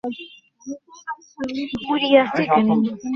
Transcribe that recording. তিনি সমালোচকদের কাছ থেকে প্রশংসিত হন।